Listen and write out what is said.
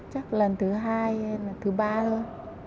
chắc lần thứ hai thứ ba thôi